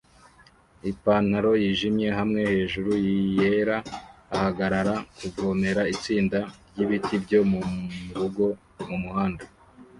ipantaro yijimye hamwe hejuru yera ahagarara kuvomera itsinda ryibiti byo murugo mumuhanda